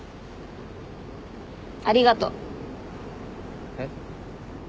ありがとう。えっ？